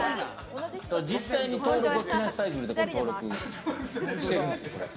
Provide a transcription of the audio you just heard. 実際に登録は木梨サイクルで登録してるんですよ。